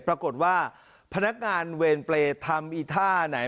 ปรากฏว่าพนักงานเวรเปรย์ทำอีกท่าไหน